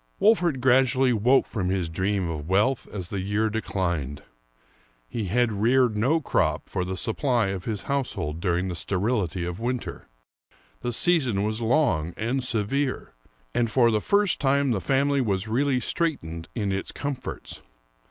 Wolfert gradually woke from his dream of wealth as the year declined. He had reared no crop for the supply of his household during the sterility of winter. The season was long and severe, and for the first time the family was really straitened in its comforts.